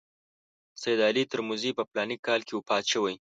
سید علي ترمذي په فلاني کال کې وفات شوی.